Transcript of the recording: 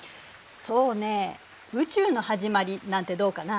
そうねぇ「宇宙のはじまり」なんてどうかな？